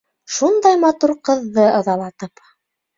Шундай матур ҡыҙҙы ыҙалатып...